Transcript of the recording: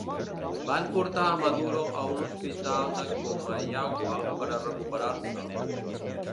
Van portar a Maduro a un hospital a Comayagua per a recuperar-se.